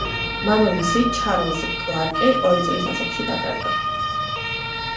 მამამისი, ჩარლზ კლარკი ორი წლის ასაკში დაკარგა.